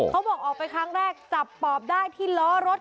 ออกไปครั้งแรกจับปอบได้ที่ล้อรถ